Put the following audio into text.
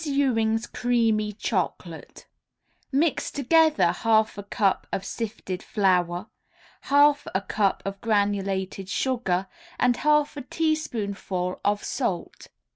EWING'S CREAMY CHOCOLATE Mix together half a cup of sifted flour, half a cup of granulated sugar and half a teaspoonful of salt.